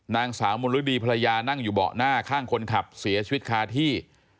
นางสาวมนฤดีภรรยานั่งอยู่เบาะหน้าข้างคนขับเสียชีวิตคาที่